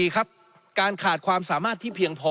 ๔ครับการขาดความสามารถที่เพียงพอ